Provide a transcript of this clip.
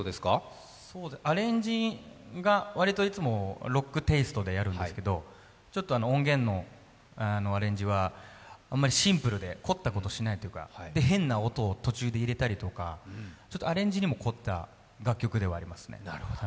アレンジが割といつもロックテイストでやるんですけどちょっと音源のアレンジはシンプルで、凝ったことをしないというか変な音を途中で入れたりとかアレンジにも凝った楽曲ではありますね。